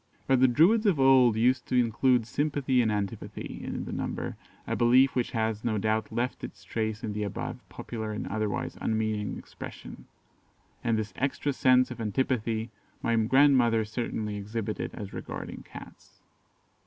But the Druids of old used to include sympathy and antipathy in the number, a belief which has, no doubt, left its trace in the above popular and otherwise unmeaning expression; and this extra sense of antipathy my grandmother certainly exhibited as regarding Cats.